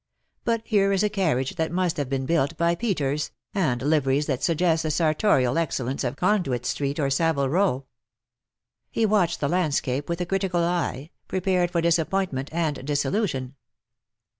But here is a carriage that must have been built by Peters, and liveries that suggest the sartorial excellence of Conduit Street or Savile Row.'''' He watched the landscape with a critical eye, prepared for disappointment and disillusion.